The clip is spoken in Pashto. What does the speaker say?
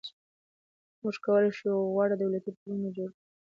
موږ کولای شو غوره دولتي پروګرامونه جوړ کړو.